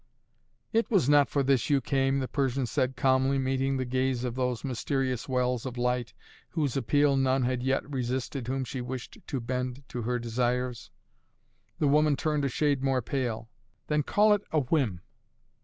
"It was not for this you came," the Persian said calmly, meeting the gaze of those mysterious wells of light whose appeal none had yet resisted whom she wished to bend to her desires. The woman turned a shade more pale. "Then call it a whim!"